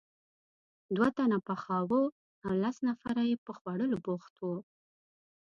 دوه تنه پخاوه او لس نفره یې په خوړلو بوخت وو.